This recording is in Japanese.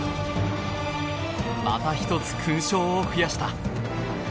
また１つ、勲章を増やした。